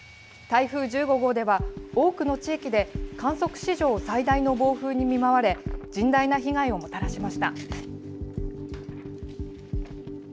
台風１５号では多くの地域で観測史上最大の暴風に見舞われ甚大な被害をもたらしました。